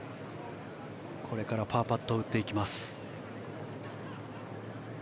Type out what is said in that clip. これからパーパットを打ちます。